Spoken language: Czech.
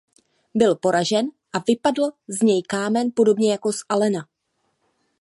Byl poražen a vypadl z něj kámen podobně jako z Allena.